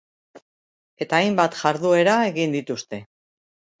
Eta hainbat jarduera egin dituzte.